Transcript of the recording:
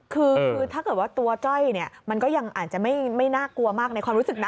คือถ้าเกิดว่าตัวจ้อยเนี่ยมันก็ยังอาจจะไม่น่ากลัวมากในความรู้สึกนะ